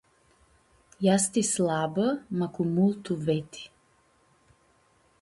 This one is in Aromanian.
Easti slabã, ma cu multu veti.